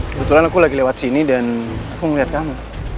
kebetulan aku lagi lewat sini dan aku ngeliat kamu